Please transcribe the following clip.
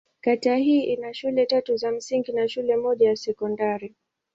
Kata hii ina shule tatu za msingi na shule moja ya sekondari.